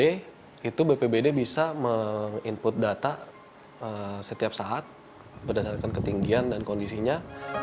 itu bpbd bisa meng input data setiap saat berdasarkan ketinggian dan kondisinya